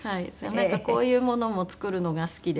なんかこういうものも作るのが好きで。